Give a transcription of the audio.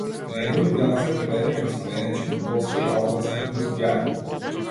Негови дела се преведени на словенечки, полски, албански и турски јазик.